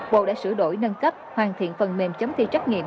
bộ đã sửa đổi nâng cấp hoàn thiện phần mềm chấm thi trắc nghiệm